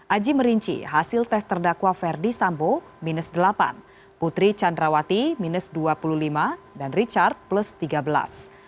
aji merinci hasil tes terdakwa verdi sambo minus delapan putri candrawati minus dua puluh lima dan richard plus tiga belas